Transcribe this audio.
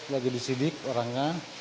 lagi disidik orangnya